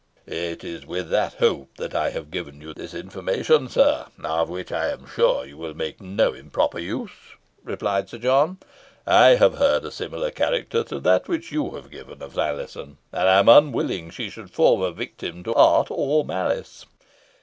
"It is with that hope that I have given you this information, sir, of which I am sure you will make no improper use," replied Sir John. "I have heard a similar character to that you have given of Alizon, and am unwilling she should fall a victim to art or malice.